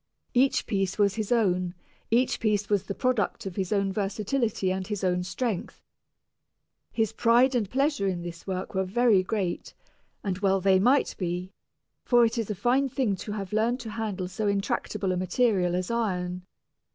Each piece was his own, each piece was the product of his own versatility and his own strength. His pride and pleasure in this work were very great, and well they might be, for it is a fine thing to have learned to handle so intractable a material as iron.